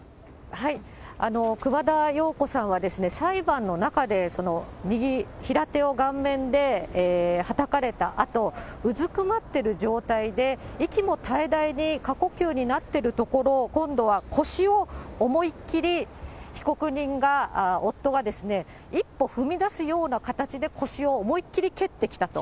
熊田曜子さんはですね、裁判の中で、右、平手を、顔面ではたかれたあと、うずくまってる状態で、息も絶え絶えに、過呼吸になってるところを、今度は腰を思いっきり被告人が、夫が一歩踏み出すような形で、腰を思いっきり蹴ってきたと。